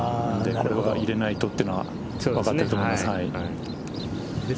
入れないとというのは分かっていると思います。